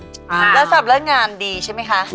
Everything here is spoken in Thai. แล้วสำหรับเรื่องงานดีใช่ไหมคะ